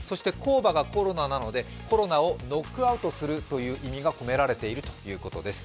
ＣＯＶＡがコロナの意味なので、コロナをノックアウトするという意味が込められているということです。